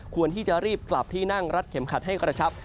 ควรที่จะรีบกลับที่นั่งรัดเข็มขัดให้กระชับ